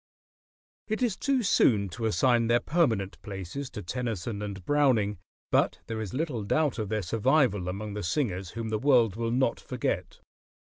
] It is too soon to assign their permanent places to Tennyson and Browning; but there is little doubt of their survival among the singers whom the world will not forget.